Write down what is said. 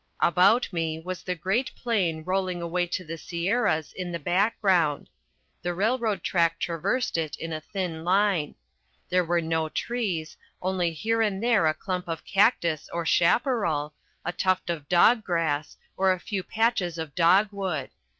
About me was the great plain rolling away to the Sierras in the background. The railroad track traversed it in a thin line. There were no trees only here and there a clump of cactus or chaparral, a tuft of dog grass or a few patches of dogwood.